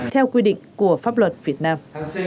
theo quy định của pháp luật việt nam